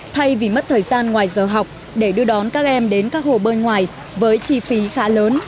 thay vì mất thời gian ngoài giờ học để đưa đón các em đến các hồ bơi ngoài với chi phí khá lớn